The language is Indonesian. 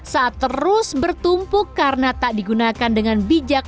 saat terus bertumpuk karena tak digunakan dengan bijak